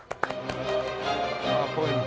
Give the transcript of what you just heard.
ああこういうの。